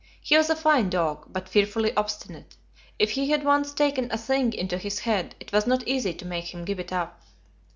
He was a fine dog, but fearfully obstinate; if he had once taken a thing into his head, it was not easy to make him give it up.